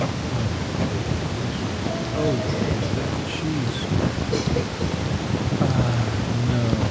Oh ! the dehcious odor of that cheese soup ! Ah, no